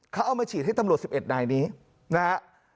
เขาเอามาฉีดให้ตำรวจ๑๑นายนี้นะฮะ